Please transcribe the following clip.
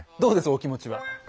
お気持ちは。